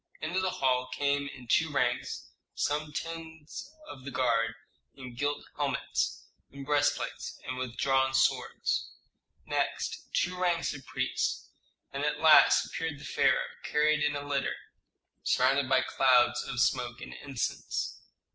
Into the hall came in two ranks some tens of the guard in gilt helmets, in breastplates, and with drawn swords, next two ranks of priests, and at last appeared the pharaoh, carried in a litter, surrounded by clouds of smoke and incense.